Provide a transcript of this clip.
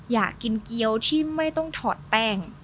อยากกินเกี้ยวที่ไม่ต้องถอดแป้ง